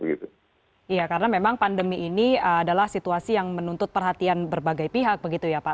iya karena memang pandemi ini adalah situasi yang menuntut perhatian berbagai pihak begitu ya pak